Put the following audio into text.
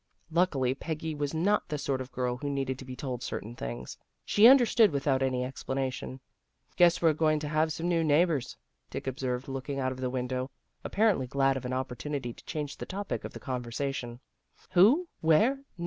Luckily Peggy was not the sort of girl who needed to be told certain things. She understood without any explanation. " Guess we're going to have some new neigh bors," Dick observed, looking out of the win dow, apparently glad of an opportunity to change the topic of the conversation. "Who? Where?